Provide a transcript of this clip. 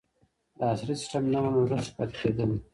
د عصري سیستم نه منل وروسته پاتې کیدل دي.